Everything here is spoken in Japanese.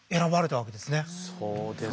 そうですね。